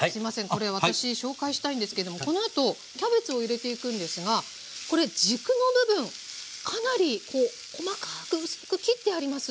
これ私紹介したいんですけれどもこのあとキャベツを入れていくんですがこれ軸の部分かなり細かく薄く切ってあります。